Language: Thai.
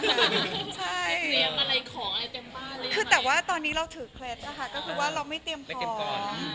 น่าจะเหอะมากเลยนะคะใช่คือแต่ว่าตอนนี้เราถือเคล็ดค่ะก็คือว่าเราไม่เตรียมของ